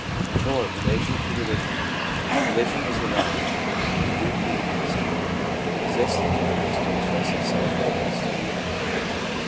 4. Relation to Religion. — Religion is a life, a deep rooted instinct. It exists and continues to express itself whether we study it or not.